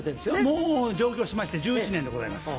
もう上京しまして１１年でございます。